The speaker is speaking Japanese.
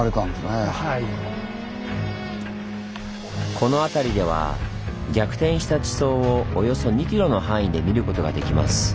この辺りでは逆転した地層をおよそ２ｋｍの範囲で見ることができます。